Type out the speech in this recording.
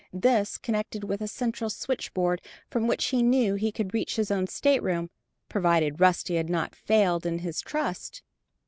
This connected with a central switchboard from which he knew he could reach his own stateroom provided Rusty had not failed in his trust.